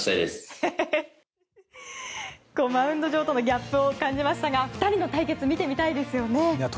マウンド上とのギャップを感じましたが２人の対決見てみたいですよね。